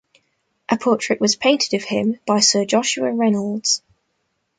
A portrait was painted of him by Sir Joshua Reynolds.